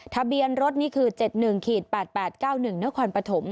ทะเบียนรถนี่คือ๗๑๘๘๙๑นครปฐม